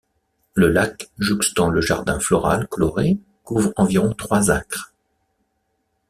Le lac, jouxtant le jardin floral coloré, couvre environ trois acres.